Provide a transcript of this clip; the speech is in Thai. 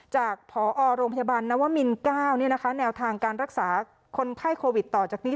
ผอโรงพยาบาลนวมิน๙แนวทางการรักษาคนไข้โควิดต่อจากนี้